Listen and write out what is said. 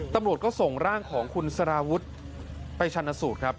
ตำรวจก็ส่งร่างของคุณสารวุฒิไปชันสูตรครับ